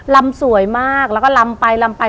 ำสวยมากแล้วก็ลำไปลำไป